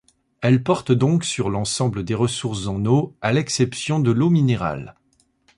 Elle porte donc sur l'ensemble des ressources en eau, à l'exception de l'eau minérale.